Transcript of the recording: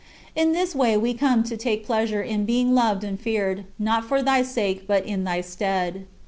In this way we come to take pleasure in being loved and feared, not for thy sake but in thy stead.